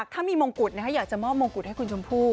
ถ้ามีมงกุฎอยากจะมอบมงกุฎให้คุณชมพู่